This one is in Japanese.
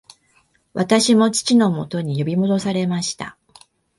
私も父のもとに呼び戻されました